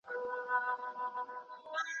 جارج واټسن په دې اړه خپل نظر لري.